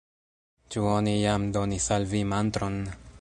Ĉu oni jam donis al vi mantron?